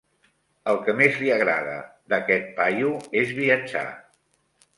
El que més li agrada d'aquest paio és viatjar.